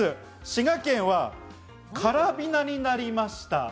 滋賀県はカラビナになりました。